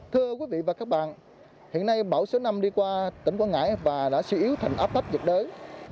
thưa quý vị và các bạn hiện nay bão số năm đi qua tỉnh quảng ngãi và đã siêu yếu thành áp thắt diệt đới